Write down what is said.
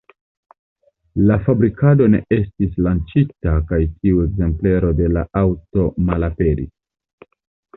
La fabrikado ne estis lanĉita kaj tiu ekzemplero de la aŭto malaperis.